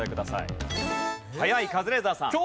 早いカズレーザーさん。